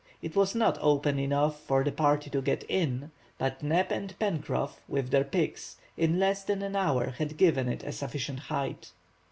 It was not open enough for the party to get in, but Neb and Pencroff, with their picks, in less than an hour had given it a sufficient height.